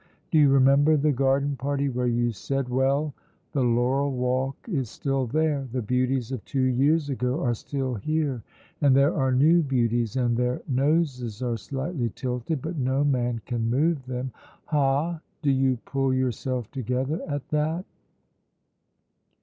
Do you remember the garden party where you said Well, the laurel walk is still there; the beauties of two years ago are still here, and there are new beauties, and their noses are slightly tilted, but no man can move them; ha, do you pull yourself together at that?